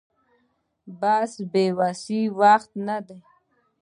بس اوس يې وخت نه دې.